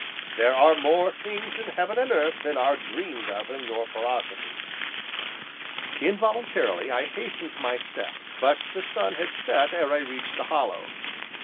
"There are more things in heaven and earth than are dreamed of in your philosophy." Involuntarily I hastened my steps, but the sun had set ere I reached the Hollow.